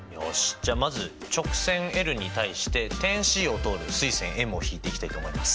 じゃあまず直線に対して点Ｃを通る垂線ｍを引いていきたいと思います。